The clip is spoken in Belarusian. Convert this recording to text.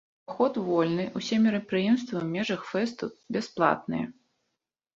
Уваход вольны, усе мерапрыемствы ў межах фэсту бясплатныя.